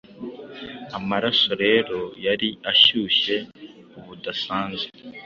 Amaraso rero yari ashyushye budasanzwe